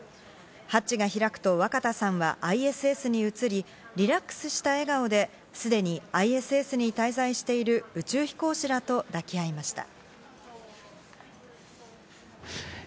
ハッチが開くと、若田さんはＩＳＳに移り、リラックスした笑顔ですでにＩＳＳに滞在している宇宙飛行士らと抱き合いました。